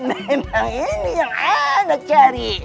eh hehehehe memang ini yang anak cari